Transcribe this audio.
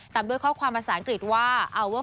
ด้วยข้อความภาษาอังกฤษว่า